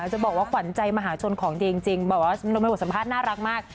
จะบอกว่าขวัญใจมหาชนของจริงบอกว่าโรงโมงค์สัมภาษณ์น่ารักมาก